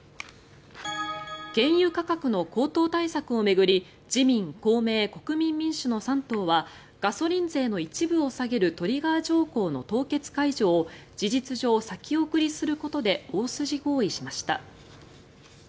原油価格の高騰対策を巡り自民・公明・国民民主の３党はガソリン税の一部を下げるトリガー条項の凍結解除を事実上、先送りすることで大筋合意しました。